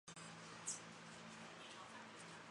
其子杨玄感后来反叛隋朝。